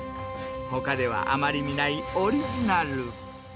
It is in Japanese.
ほかではあまり見ないオリジナル。